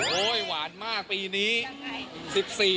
โอ๊ยหวานมากปีนี้